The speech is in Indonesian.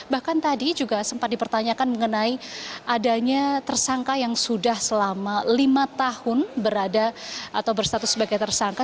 bahkan tadi juga sempat dipertanyakan mengenai adanya tersangka yang sudah selama lima tahun berada atau berstatus sebagai tersangka